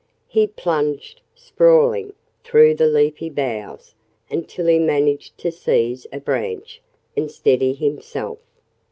He plunged, sprawling, through the leafy boughs until he managed to seize a branch and steady himself.